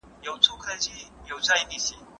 سياستپوهنه د دولتونو اړيکي څېړي.